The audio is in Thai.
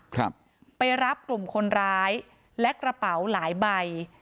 ครับไปรับกลุ่มคนร้ายและกระเป๋าหลายใบ